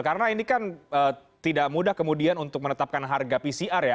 karena ini kan tidak mudah kemudian untuk menetapkan harga pcr ya